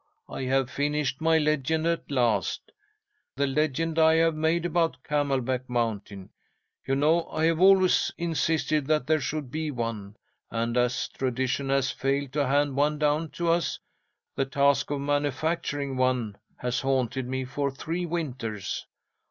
I have finished my legend at last, the legend I have made about Camelback Mountain. You know I have always insisted that there should be one, and as tradition has failed to hand one down to us, the task of manufacturing one has haunted me for three winters.